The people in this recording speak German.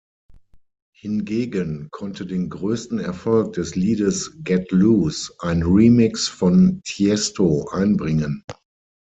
Hingegen konnte den größten Erfolg des Liedes "Get Loose", ein Remix von Tiësto einbringen.